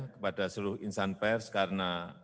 kepada seluruh insan pers karena